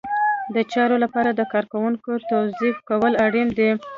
د چارو لپاره د کارکوونکو توظیف کول اړین دي.